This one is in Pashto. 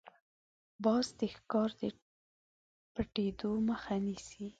باز د ښکار د پټېدو مخه نیسي